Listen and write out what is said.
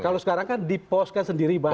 kalau sekarang kan diposkan sendiri bahkan